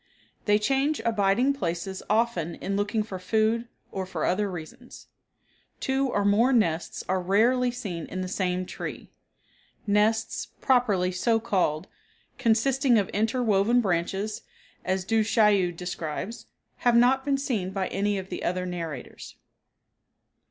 They change abiding places often in looking for food or for other reasons. Two or more nests are rarely seen in the same tree. Nests, properly so called, consisting of inter woven branches, as Du Chaillu describes, have not been seen by any of the other narrators.